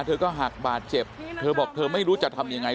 เธอก็หักบาดเจ็บเธอบอกเธอไม่รู้จะทำยังไง